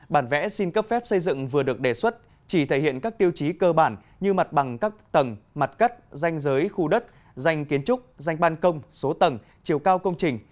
bản vẽ xin cấp phép xây dựng vừa được đề xuất chỉ thể hiện các tiêu chí cơ bản như mặt bằng các tầng mặt cắt danh giới khu đất danh kiến trúc danh ban công số tầng chiều cao công trình